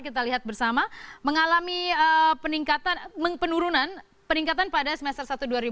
kita lihat bersama mengalami penurunan pada semester satu dua ribu enam belas